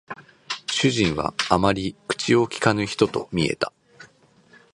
主人はあまり口を聞かぬ人と見えた